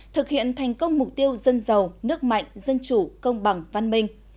thực hiện thành công mục tiêu dân giàu nước mạnh dân chủ công bằng văn minh